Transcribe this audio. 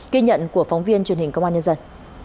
ghi nhận của phóng viên truyền hình công an nhân dân